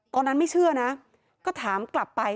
ตอนนั้นไม่เชื่อนะก็ถามกลับไป